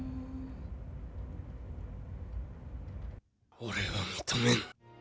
俺は認めぬ。